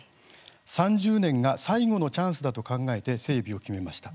３０年が最後のチャンスだと考えて整備を決めました。